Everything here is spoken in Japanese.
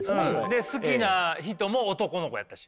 で好きな人も男の子やったし。